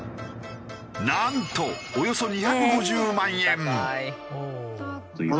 なんとおよそ２５０万円！